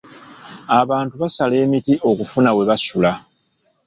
Abantu basala emiti okufuna we basula.